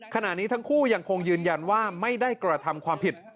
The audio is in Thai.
ขณะนี้ทั้งคู่ยังคงยืนยันว่าไม่ได้กระทำความผิด